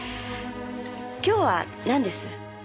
今日はなんです？